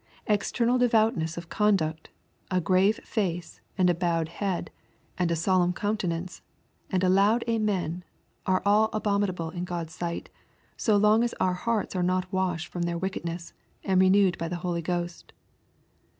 External devoutness of conduct, a grave face, and a bowed head, and a solemn countenance, and a loud amen, are all abominable in God's sight, so long as our hearts are not washed from their wickedness, and renewed by the Holy Ghost.